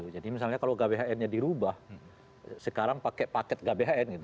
jadi misalnya kalau gabhn nya dirubah sekarang pakai paket gabhn